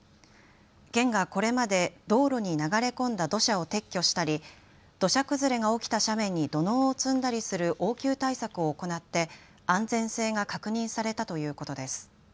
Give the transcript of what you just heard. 県がこれまで道路に流れ込んだ土砂を撤去したり、土砂崩れが起きた斜面に土のうを積んだりする応急対策を行って安全性が確認されたということです。